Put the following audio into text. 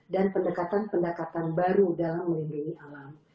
dan pendekatan pendekatan baru dalam melindungi alam